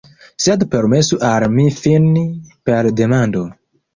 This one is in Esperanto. Sed permesu al mi fini per demando.